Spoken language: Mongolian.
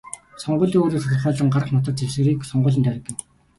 Сонгуулийн үр дүнг тодорхойлон гаргах нутаг дэвсгэрийг сонгуулийн тойрог гэнэ.